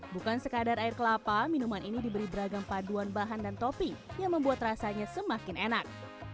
bukan sekadar air kelapa minuman ini diberi beragam paduan bahan dan topi yang membuat rasanya semakin enak